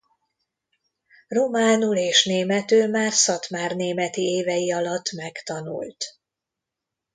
Románul és németül már szatmárnémeti évei alatt megtanult.